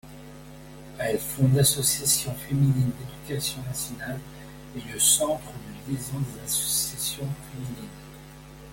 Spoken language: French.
Elle fonde l'Association féminine d'éducation nationale et le Centre de liaison des associations féminines.